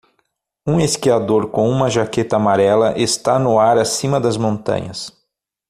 Um esquiador com uma jaqueta amarela está no ar acima das montanhas.